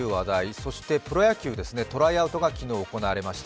そしてプロ野球、トライアウトが昨日行われました。